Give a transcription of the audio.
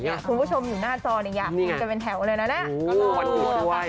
คุณผู้ชมอยู่หน้าจอเนี่ยมันก็เป็นแถวเลยนะเนี่ยโอ้ขวัดหัวด้วย